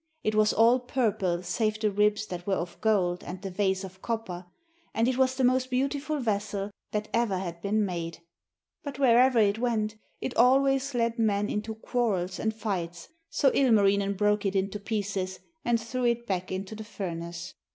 It was all purple, save the ribs that were of gold and the vase of copper, and it was the most beautiful vessel that ever had been made. But wherever it went it always led men into quarrels and fights, so Ilmarinen broke it into pieces and threw it back into the furnace.